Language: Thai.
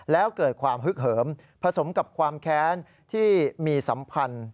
แล้วเกิดความฮึกเหิมผสมกับความแค้นที่มีสัมพันธ์